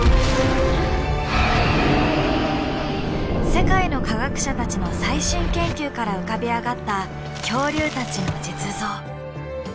世界の科学者たちの最新研究から浮かび上がった恐竜たちの実像。